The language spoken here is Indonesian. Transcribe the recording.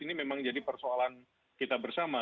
ini memang jadi persoalan kita bersama